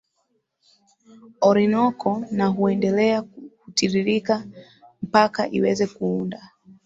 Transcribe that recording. Orinoco na huendelea kutiririka mpaka iweze kuunda